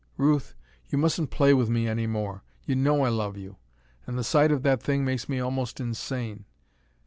"Ruth, you mustn't play with me any more. You know I love you. And the sight of that thing makes me almost insane.